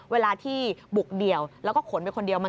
เวลาที่บุกเดี่ยวแล้วก็ขนไปคนเดียว